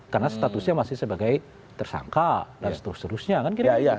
karena statusnya masih sebagai tersangka dan seterusnya